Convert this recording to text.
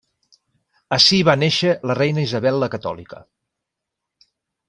Ací hi va néixer la reina Isabel la Catòlica.